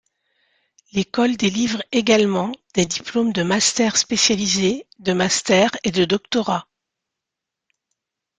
L'école délivre également des diplômes de mastère spécialisé, de master, et de doctorat.